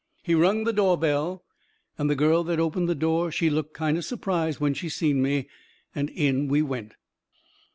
He rung the door bell and the girl that opened the door she looked kind o' surprised when she seen me, and in we went.